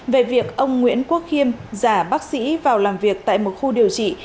về việc ông nguyễn quốc khiêm giả bác sĩ vào làm việc tại một khu điều trị